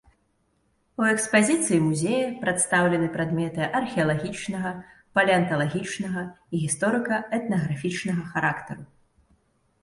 У экспазіцыі музея прадстаўлены прадметы археалагічнага, палеанталагічнага і гісторыка- этнаграфічнага характару.